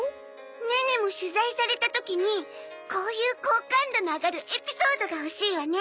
ネネも取材された時にこういう高感度の上がるエピソードが欲しいわね。